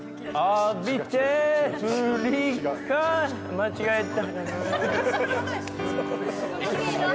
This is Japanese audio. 間違えた。